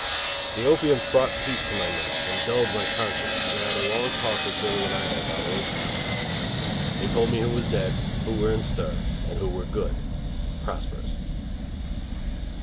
The opium brought peace to my nerves and dulled my conscience and I had a long talk with Billy and Ida about old pals. They told me who was dead, who were in stir and who were good (prosperous).